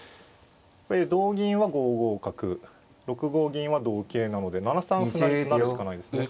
同銀は５五角６五銀は同桂なので７三歩成と成るしかないですね。